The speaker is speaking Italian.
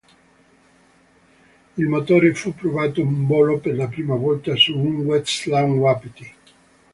Il motore fu provato in volo per la prima volta su un Westland Wapiti.